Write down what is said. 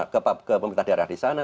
ke pemerintah daerah di sana